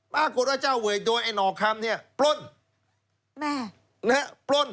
ปรากฏว่าเจ้าเวยโดยไอ้หน่อคำเนี่ยปล้นแม่นะฮะปล้น